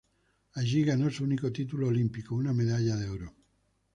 Allí ganó su único título Olímpico, una medalla de oro.